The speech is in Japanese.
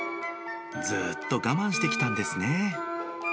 ずっと我慢してきたんですね。